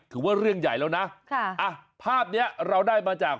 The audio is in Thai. ถือว่าเรื่องใหญ่แล้วนะค่ะอ่ะภาพเนี้ยเราได้มาจาก